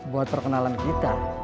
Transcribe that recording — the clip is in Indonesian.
buat perkenalan kita